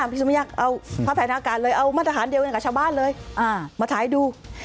พี่สุมยักษ์เอามาตรฐานเดียวกันกับชาวบ้านเลยมาถ่ายดู